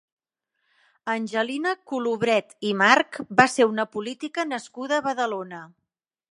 Angelina Colubret i March va ser una política nascuda a Badalona.